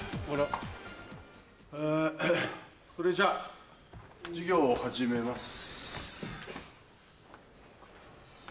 それじゃ授業を始めます。